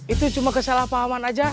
itu cuma kesalahpahaman aja